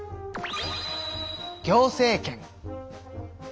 行政権。